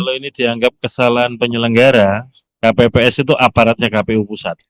kalau ini dianggap kesalahan penyelenggara kpps itu aparatnya kpu pusat